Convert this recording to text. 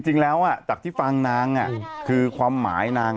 จริงแล้วจากที่ฟังนางคือความหมายนาง